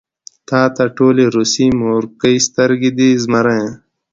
تاته د ټولې روسيې مورکۍ سترګې دي زمريه.